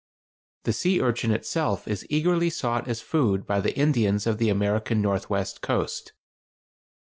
The sea urchin itself is eagerly sought as food by the Indians of the American northwest coast.